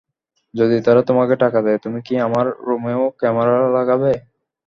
যদি তারা তোমাকে টাকা দেয়, তুমি কি আমার রুমেও ক্যামেরা লাগাবে?